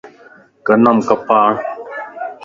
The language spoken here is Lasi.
ڪنم ڪپاھڻ